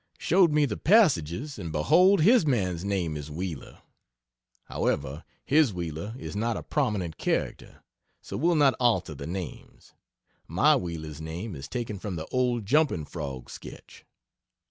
Showed me the passages, and behold, his man's name is Wheeler! However, his Wheeler is not a prominent character, so we'll not alter the names. My Wheeler's name is taken from the old jumping Frog sketch.